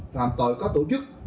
phạm tội có tổ chức